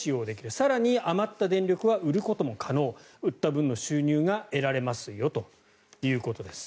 更に余った電力は売ったことも可能売った分の収入が得られますよということです。